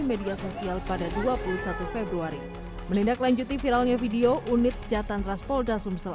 media sosial pada dua puluh satu februari melindaklanjuti viralnya video unit jatah transportasumsel